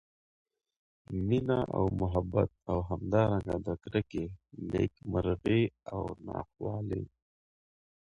مېنه او محبت او همدا رنګه د کرکي، نیک مرغۍ او نا خوالۍ